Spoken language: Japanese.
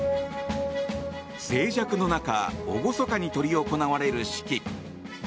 静寂の中厳かに執り行われる式。